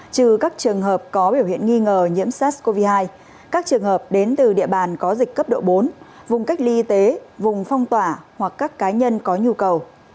trừ các trường hợp có biểu hiện nghi ngờ nhiễm sars cov hai các trường hợp đến từ địa bàn có dịch cấp độ bốn vùng cách ly y tế vùng phong tỏa hoặc các cá nhân có nhu cầu